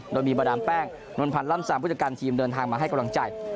โดยมีประดามแป้งนวลพันธ์ล่ำซามผู้จัดการทีมเดินทางมาให้กำลังใจ